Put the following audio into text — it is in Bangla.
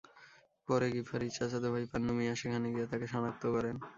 পরে গিফারীর চাচাতো ভাই পান্নু মিয়া সেখানে গিয়ে তাঁকে শনাক্ত করেন।